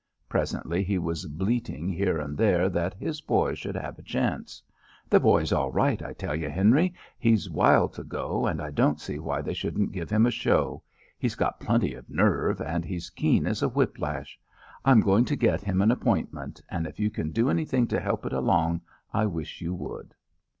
Presently he was bleating here and there that his boy should have a chance. "The boy's all right, I tell you, Henry. He's wild to go, and I don't see why they shouldn't give him a show. He's got plenty of nerve, and he's keen as a whiplash. I'm going to get him an appointment, and if you can do anything to help it along I wish you would."